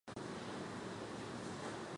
这使他有机会将设想变为现实。